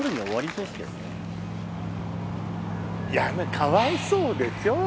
かわいそうでしょう。